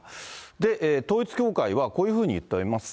で、統一教会はこういうふうに言っております。